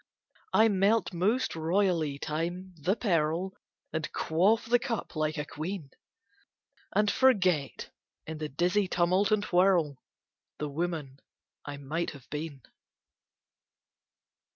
I melt most royally time, the pearl, And quaff the cup like a queen, And forget in the dizzy tumult and whirl, The woman I might have been.